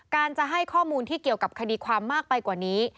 การจะให้ข้อมูลที่เกี่ยวกับคดีความมากไปกว่านี้